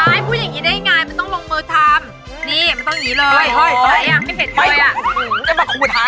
พูดอย่างนี้ได้ยังไงมันต้องลงมือทำ